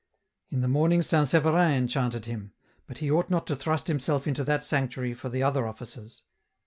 In the morning St. Severin enchanted him, but he ought not to thrust himself into that sanctuary for the other Offices.